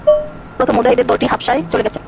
প্রথম মুহাজিরদের দলটি হাবশায় চলে গেলেন।